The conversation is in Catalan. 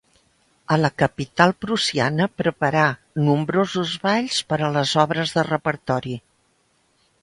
A la capital prussiana preparà nombrosos balls per a les obres de repertori.